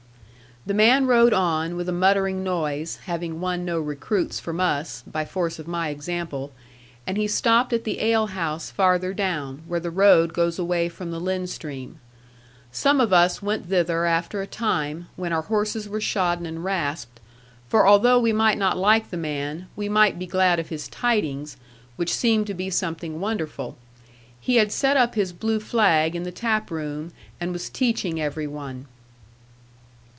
The man rode on with a muttering noise, having won no recruits from us, by force of my example: and he stopped at the ale house farther down, where the road goes away from the Lynn stream. Some of us went thither after a time, when our horses were shodden and rasped, for although we might not like the man, we might be glad of his tidings, which seemed to be something wonderful. He had set up his blue flag in the tap room, and was teaching every one.